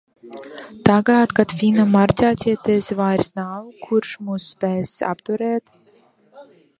Tagad, kad Fina Makraķetes vairs nav, kurš mūs spēs apturēt?